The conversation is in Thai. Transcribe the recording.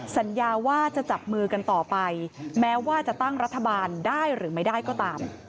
สัญญาว่าจะจับมือกันต่อไปแม้ว่าจะตั้งรัฐบาลได้หรือไม่ได้ก็ตาม